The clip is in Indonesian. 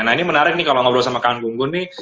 nah ini menarik nih kalau ngobrol sama kang gunggun nih